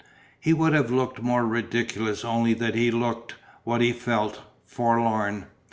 He would have looked more ridiculous only that he looked, what he felt, forlorn.